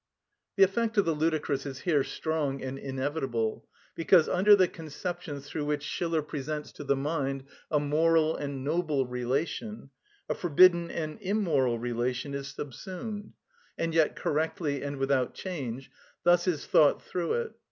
The effect of the ludicrous is here strong and inevitable, because under the conceptions through which Schiller presents to the mind a moral and noble relation, a forbidden and immoral relation is subsumed, and yet correctly and without change, thus is thought through it.